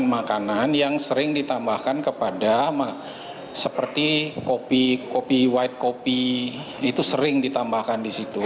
makanan yang sering ditambahkan kepada seperti kopi kopi white kopi itu sering ditambahkan di situ